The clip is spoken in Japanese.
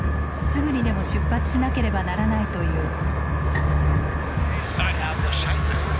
すぐにでも出発しなければならないという。